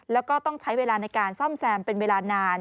แล้วก็ต้องใช้เวลาในการซ่อมแซมเป็นเวลานาน